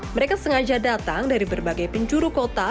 mereka sengaja datang dari berbagai penjuru kota